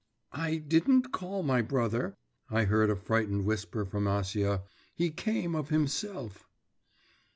'I didn't call my brother' I heard a frightened whisper from Acia: 'he came of himself.